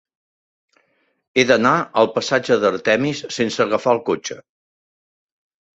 He d'anar al passatge d'Artemis sense agafar el cotxe.